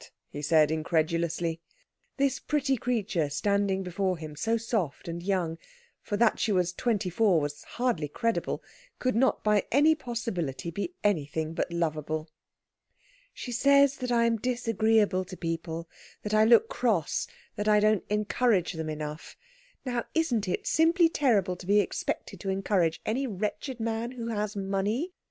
he said incredulously. This pretty creature standing before him, so soft and young for that she was twenty four was hardly credible could not by any possibility be anything but lovable. "She says that I am disagreeable to people that I look cross that I don't encourage them enough. Now isn't it simply terrible to be expected to encourage any wretched man who has money?